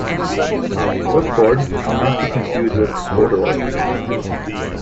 Whipcord should not be confused with corduroy.